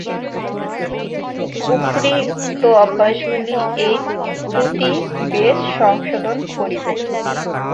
উপরি-উক্ত অভ্যাসগুলি এই ত্রুটি বেশ সংশোধন করিবে।